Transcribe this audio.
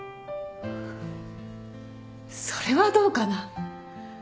それはどうかな。